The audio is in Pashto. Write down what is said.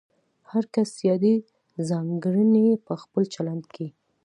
هر کس یادې ځانګړنې په خپل چلند کې